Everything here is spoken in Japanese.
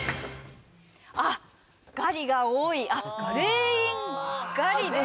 あっガリが多いあっ全員「ガリ」です・